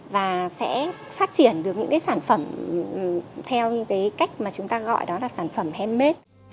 và sẽ phát triển được những sản phẩm theo cách chúng ta gọi là sản phẩm handmade